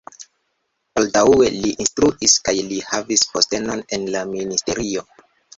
Baldaŭe li instruis kaj li havis postenon en la ministerio.